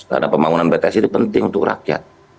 karena pembangunan bts ini penting untuk rakyat